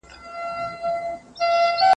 اقتصادي پرمختیا د هیواد لپاره ګټوره ده.